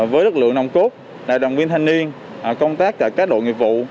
với lực lượng nông cốt đại đồng viên thanh niên công tác cả các đội nghiệp vụ